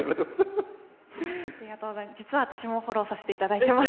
実は私もフォローさせていただいています。